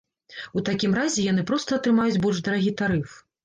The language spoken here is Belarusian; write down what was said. У такім разе яны проста атрымаюць больш дарагі тарыф.